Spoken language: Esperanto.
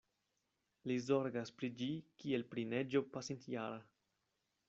Li zorgas pri ĝi kiel pri neĝo pasintjara.